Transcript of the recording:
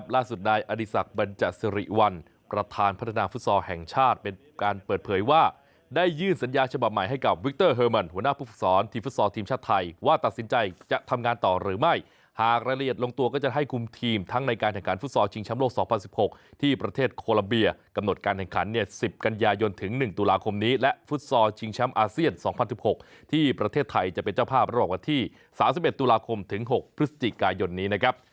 และฟุตซอลชิงช้ำอาเซียน๒๐๑๖ที่ประเทศไทยจะเป็นเจ้าผ้าประมาณที่๓๑ตุลาคมถึง๖พฤศจิกายนนี้นะครับ